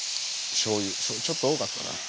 しょうゆちょっと多かったかな。